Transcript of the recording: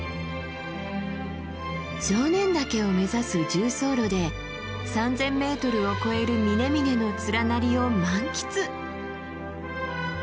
常念岳を目指す縦走路で３，０００ｍを超える峰々の連なりを満喫。